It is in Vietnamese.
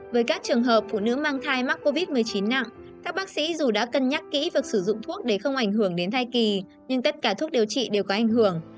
với các trường hợp phụ nữ mang thai mắc covid một mươi chín nặng các bác sĩ dù đã cân nhắc kỹ việc sử dụng thuốc để không ảnh hưởng đến thai kỳ nhưng tất cả thuốc điều trị đều có ảnh hưởng